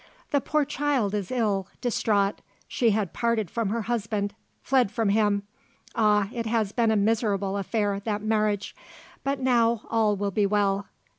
"The poor child is ill, distraught. She had parted from her husband fled from him. Ah, it has been a miserable affair, that marriage. But now, all will be well.